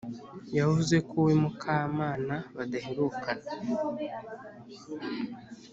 yavuze ko we mukamana badaherukana